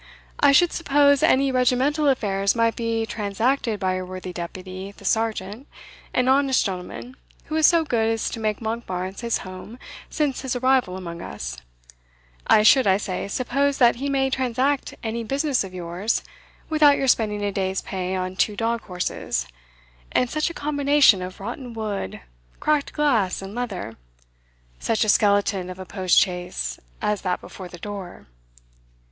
"I should suppose any regimental affairs might be transacted by your worthy deputy the sergeant an honest gentleman, who is so good as to make Monkbarns his home since his arrival among us I should, I say, suppose that he may transact any business of yours, without your spending a day's pay on two dog horses, and such a combination of rotten wood, cracked glass, and leather such a skeleton of a post chaise, as that before the door."